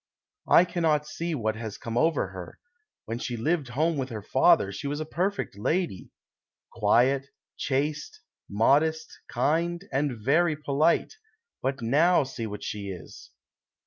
I cannot see what has come over her ; when she lived home with her father, she was a perfect lady; quiet, chaste, modest, kind and very polite, but now see what she is."